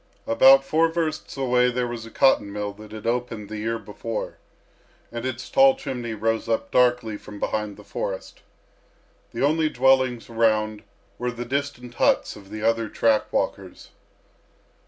About four versts away there was a cotton mill that had opened the year before, and its tall chimney rose up darkly from behind the forest. The only dwellings around were the distant huts of the other track walkers.